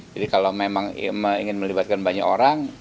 jadi kalau memang ingin melibatkan banyak orang